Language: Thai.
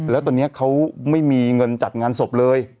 แล้วตอนนี้เขาไม่มีเงินจัดงานศพเลย